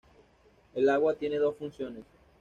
El agua tiene dos funciones.